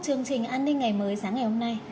chương trình an ninh ngày mới sáng ngày hôm nay